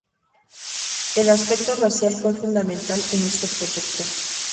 El aspecto racial fue fundamental en este proyecto.